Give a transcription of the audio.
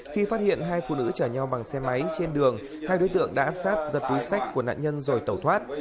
khi phát hiện hai phụ nữ chở nhau bằng xe máy trên đường hai đối tượng đã áp sát giật túi sách của nạn nhân rồi tẩu thoát